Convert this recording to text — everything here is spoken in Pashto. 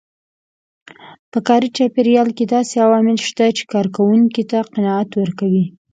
په کاري چاپېريال کې داسې عوامل شته چې کار کوونکو ته قناعت ورکوي.